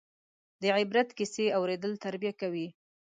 د عبرت کیسې اورېدل تربیه کوي.